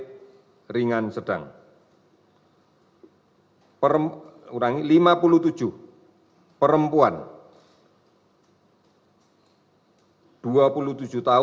terima kasih yang terima kasih yang terima kasih yang kata